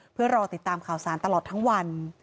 เพื่อรอติดตามข่าวสารตลอดทั้งวัน